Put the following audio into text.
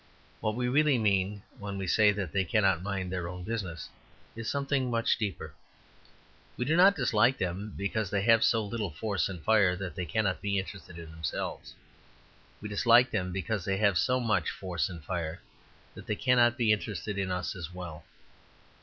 What we really mean when we say that they cannot mind their own business is something much deeper. We do not dislike them because they have so little force and fire that they cannot be interested in themselves. We dislike them because they have so much force and fire that they can be interested in us as well.